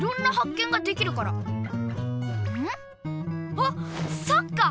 あっそっか！